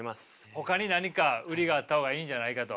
ほかに何か売りがあった方がいいんじゃないかと。